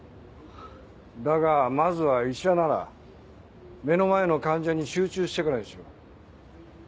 だがまずは医者なら目の前の患者に集中してからにしろ。